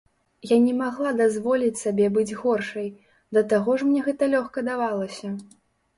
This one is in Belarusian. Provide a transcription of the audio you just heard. Я не магла дазволіць сабе быць горшай, да таго ж мне гэта лёгка давалася.